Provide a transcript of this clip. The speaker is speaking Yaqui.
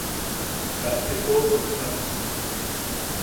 Katte koʼokosi am jooa.